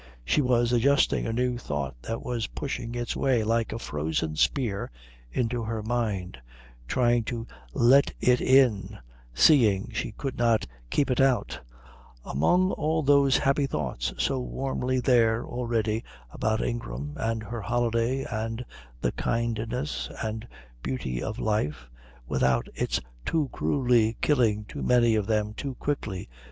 She was adjusting a new thought that was pushing its way like a frozen spear into her mind, trying to let it in, seeing, she could not keep it out, among all those happy thoughts so warmly there already about Ingram and her holiday and the kindness and beauty of life, without its too cruelly killing too many of them too quickly.